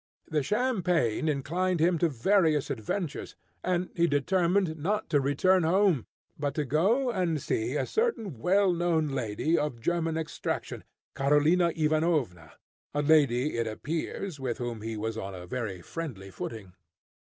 The champagne inclined him to various adventures, and he determined not to return home, but to go and see a certain well known lady, of German extraction, Karolina Ivanovna, a lady, it appears, with whom he was on a very friendly footing.